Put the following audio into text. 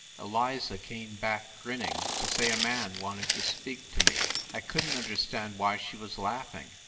Eliza came back, grinning, to say a man wanted to speak to me. ... I couldn t understand why she was laughing.